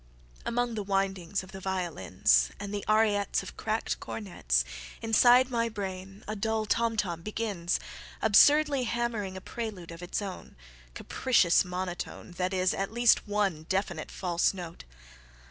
Among the windings of the violinsAnd the ariettesOf cracked cornetsInside my brain a dull tom tom beginsAbsurdly hammering a prelude of its own, Capricious monotoneThat is at least one definite "false note."